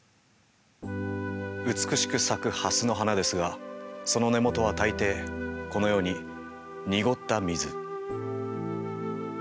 美しく咲くハスの花ですがその根元は大抵このように濁った水。